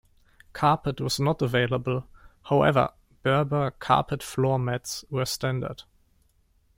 Carpet was not available, however berber carpet floor mats were standard.